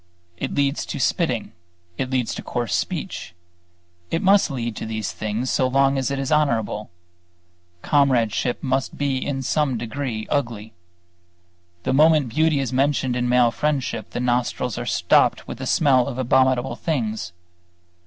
It leads to spitting; it leads to coarse speech; it must lead to these things so long as it is honorable; comradeship must be in some degree ugly. The moment beauty is mentioned in male friendship, the nostrils are stopped with the smell of abominable things.